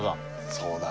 そうだね